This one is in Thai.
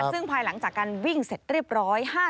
ซึ่งภายหลังจากการวิ่งเสร็จเรียบร้อย